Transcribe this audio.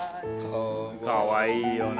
かわいいよね